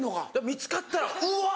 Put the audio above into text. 見つかったらうわ！